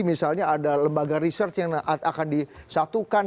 misalnya ada lembaga research yang akan disatukan